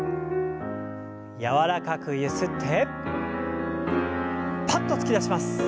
柔らかくゆすってパッと突き出します。